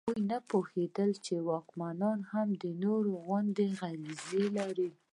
هغوی نه پوهېدل چې واکمنان هم د نورو غوندې غریزې لري.